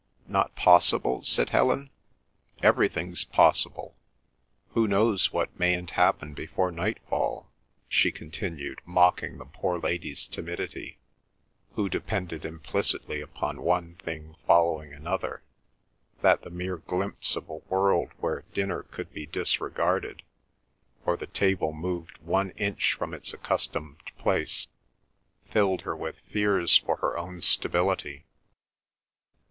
"Not possible?" said Helen. "Everything's possible. Who knows what mayn't happen before night fall?" she continued, mocking the poor lady's timidity, who depended so implicitly upon one thing following another that the mere glimpse of a world where dinner could be disregarded, or the table moved one inch from its accustomed place, filled her with fears for her own stability.